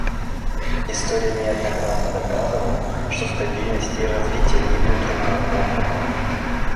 История неоднократно доказывала, что стабильность и развитие идут рука об руку.